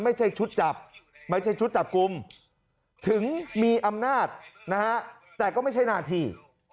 ไม่ใช่ชุดจับกลุ่มถึงมีอำนาจแต่ก็ไม่ใช่หน้าถี่